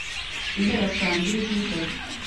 guhera saa mbiri z'ijoro